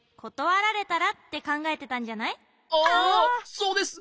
そうです。